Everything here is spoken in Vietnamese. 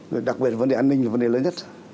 rồi đặc biệt là vấn đề an ninh là vấn đề lớn nhất